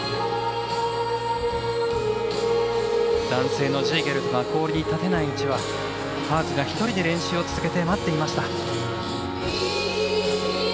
男性のジーゲルトが氷に立てないうちはハーズが１人で練習を続けて待っていました。